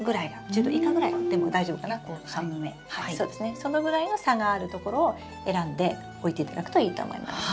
そのぐらいの差がある所を選んで置いていただくといいと思います。